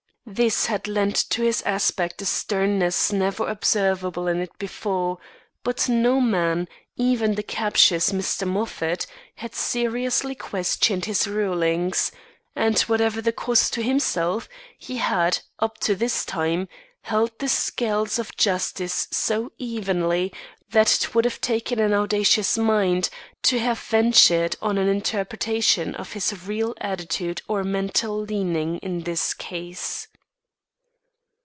This had lent to his aspect a sternness never observable in it before; but no man, even the captious Mr. Moffat, had seriously questioned his rulings; and, whatever the cost to himself, he had, up to this time, held the scales of justice so evenly that it would have taken an audacious mind to have ventured on an interpretation of his real attitude or mental leaning in this case.